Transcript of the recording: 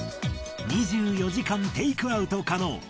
２４時間テークアウト可能。